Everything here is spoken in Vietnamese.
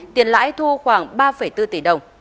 tiền lãi thu khoảng ba bốn tỷ đồng